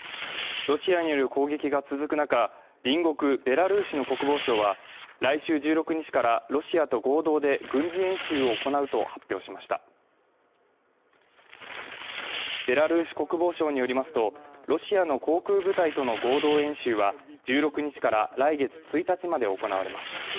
ロシアによる攻撃が続く中隣国ベラルーシの国防省は来週１６日からロシアと合同で軍事演習を行うと発表しましたベラルーシ国防省によりますとロシアの航空部隊との合同演習は１６日から来月１日まで行われます